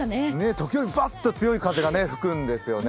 時折バッと強い風が吹くんですよね。